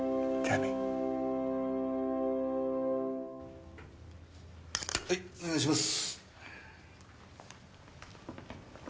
はいお願いします。